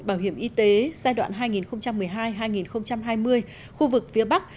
bảo hiểm y tế giai đoạn hai nghìn một mươi hai hai nghìn hai mươi khu vực phía bắc